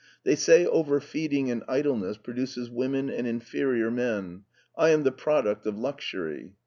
They say over feeding and idleness produces women and inferior men. I am the product of luxury."